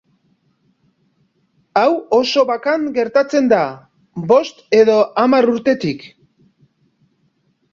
Hau oso bakan gertatzen da, bost edo hamar urtetik.